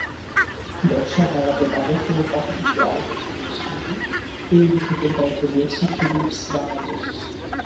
ব্যবসা বাড়াতে বাটারফ্লাইয়ের পাশাপাশি আরও চারটি প্রতিষ্ঠানকে পরিবেশকের দায়িত্ব দিয়েছে ফিলিপস বাংলাদেশ।